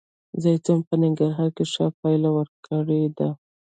زیتون په ننګرهار کې ښه پایله ورکړې ده